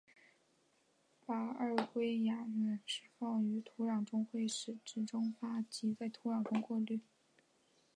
把二溴甲烷释放于土壤中会使之蒸发及在土地中过滤。